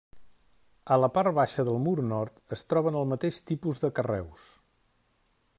A la part baixa del mur nord es troben el mateix tipus de carreus.